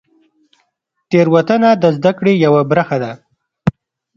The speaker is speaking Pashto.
تېروتنه د زدهکړې یوه برخه ده.